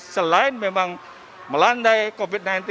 selain memang melandai covid sembilan belas